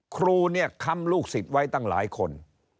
ครูเนี่ยค้ำลูกศิษย์ไว้ตั้งหลายคน